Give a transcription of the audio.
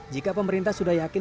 jika pemerintah sudah yakin